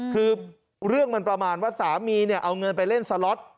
คือเรื่องมันประมาณว่าสามีเนี่ยเอาเงินไปเล่นสล็อต